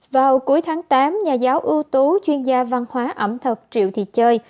vào cuối tháng tám nhà giáo ưu tú chuyên gia văn hóa ẩm thực triệu thị chơi